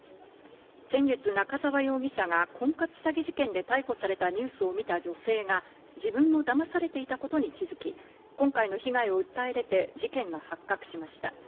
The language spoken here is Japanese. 先月、仲沢容疑者が婚活詐欺事件で逮捕されたニュースを見た女性が自分もだまされていたことに気づき、今回の被害を訴え出て事件が発覚しました。